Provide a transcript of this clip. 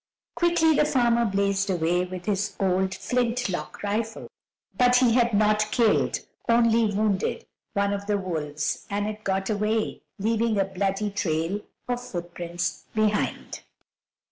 Quickly the farmer blazed away with his old flint lock rifle, but he had not killed, only wounded one of the wolves and it got away, leaving a bloody trail of footprints behind.